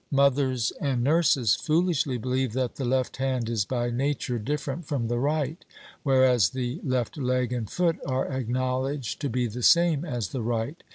Mothers and nurses foolishly believe that the left hand is by nature different from the right, whereas the left leg and foot are acknowledged to be the same as the right.